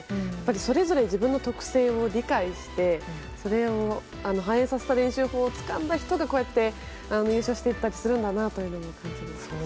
それぞれ自分の特性を理解してそれを、反映させた練習法をつかんだ人がこうやって優勝したりするんだなと。